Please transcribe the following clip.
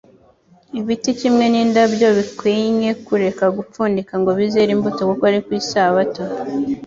Ibiti kimwe n'indabyo bikwinye kureka gupfundika ngo bizere imbuto kuko ari ku isabato ?